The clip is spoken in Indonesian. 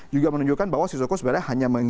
juga menunjukkan bahwa sisoko sebenarnya hanya menyimak